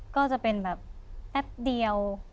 ก็จะเป็นแบบแป๊บเดียว